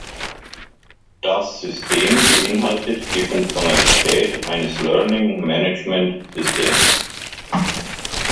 Das System beinhaltet die Funktionalität eines Learning Management Systems.